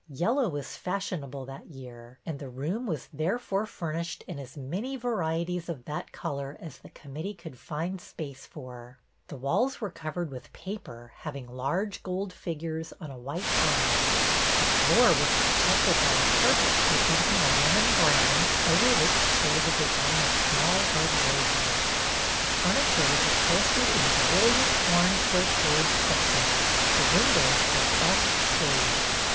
Yellovy' was JANE'S "SEED PICTER" 195 fashionable that year, and the room was therefore furnished in as many varieties of that color as the committee could find space for ; the walls were covered with paper hav ing large gold figures on a white ground ; the floor was protected by a carpet present ing a lemon ground, over which trailed a design of small red roses ; the furniture was upholstered in brilliant orange brocade satin ; the windows had buff shades.